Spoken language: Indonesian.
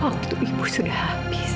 waktu ibu sudah habis